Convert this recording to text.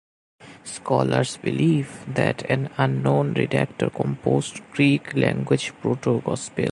Scholars believe that an unknown redactor composed Greek-language proto-Gospel.